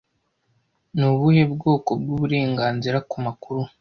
Ni ubuhe bwoko bw'uburenganzira ku makuru